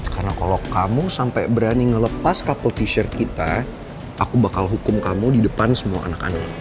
karena kalau kamu sampai berani ngelepas couple tee shirt kita aku bakal hukum kamu di depan semua anak anak